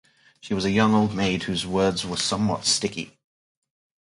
She was a young old maid whose words were somewhat sticky.